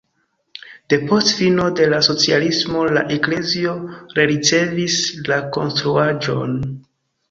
Depost fino de la socialismo la eklezio rericevis la konstruaĵon.